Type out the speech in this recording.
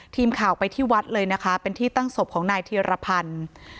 ทีมข่าวไปที่วัดเลยนะคะเป็นที่ตั้งศพของนายธีรพันธ์